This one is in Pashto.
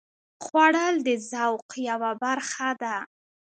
خوړل د ذوق یوه برخه ده